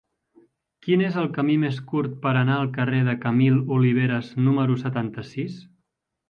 Quin és el camí més curt per anar al carrer de Camil Oliveras número setanta-sis?